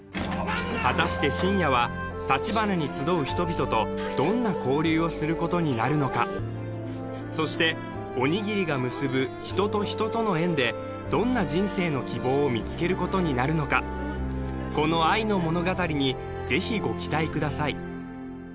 果たして信也はたちばなに集う人々とどんな交流をすることになるのかそしておにぎりが結ぶ人と人との縁でどんな人生の希望を見つけることになるのかこの愛の物語にぜひご期待ください